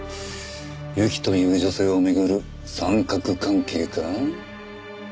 ユキという女性を巡る三角関係か？